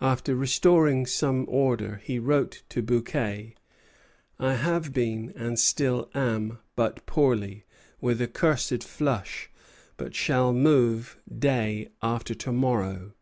After restoring some order, he wrote to Bouquet: "I have been and still am but poorly, with a cursed flux, but shall move day after to morrow."